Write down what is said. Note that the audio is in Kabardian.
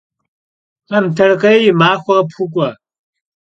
Tamtarkhêy yi maxuer khıpxuk'ue.